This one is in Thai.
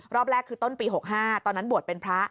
รอบแรกคือต้นปี๖๕ตอนนั้นบวชเป็นพระ